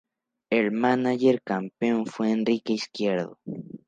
El mánager campeón fue Enrique Izquierdo.